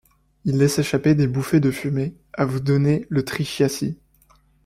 Il laisse échapper des bouffées de fumée à vous donner le trichiasis.